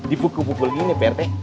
dipukul pukul gini pak r t